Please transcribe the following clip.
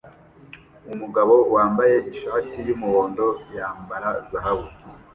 Umugabo wambaye ishati yumuhondo yambara zahabu